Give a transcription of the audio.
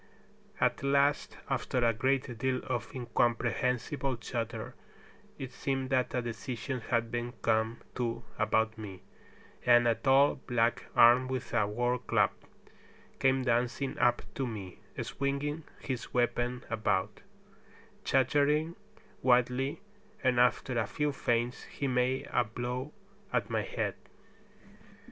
At last, after a great deal of incomprehensible chatter, it seemed that a decision had been come to about me, and a tall black armed with a war club came dancing up to me, swinging his weapon about, chattering wildly, and after a few feints he made a blow at my head.